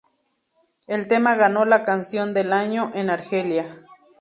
El tema ganó la ""Canción del año"", en Argelia..